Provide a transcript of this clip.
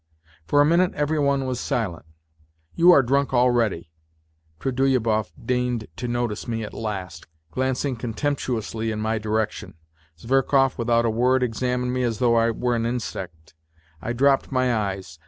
For a minute every one was silent. " You are drunk already." Trudolyubov deigned to notice me at last, glancing contemptu ously in my direction. Zverkov, without a word, examined me as though I were an insect. I dropped my eyes.